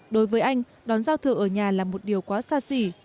đối với anh đón giao thừa ở nhà là một điều quá xa xỉ